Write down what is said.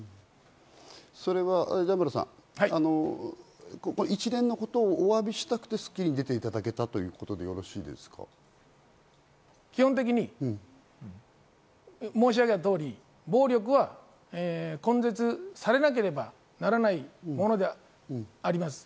段原さん、一連のことをお詫びしたくて『スッキリ』に出ていただけたという基本的に申し上げた通り、暴力は根絶されなければならないものであります。